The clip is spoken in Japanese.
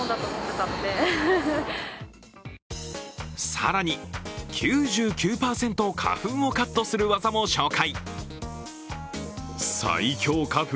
更に９９％花粉をカットする技も紹介。